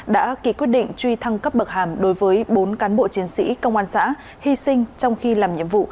đã ký quyết định truy thăng cấp bậc hàm đối với bốn cán bộ chiến sĩ công an xã hy sinh trong khi làm nhiệm vụ